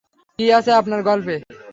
কি আছে আপনার গল্পে?